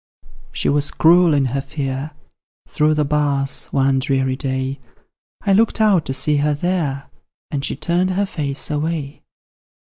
She was cruel in her fear; Through the bars one dreary day, I looked out to see her there, And she turned her face away!